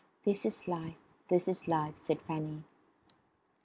"This is life. This is life," said Fanny.